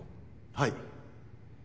はい。